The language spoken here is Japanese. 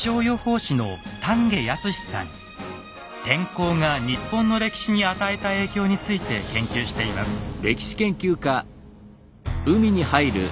天候が日本の歴史に与えた影響について研究しています。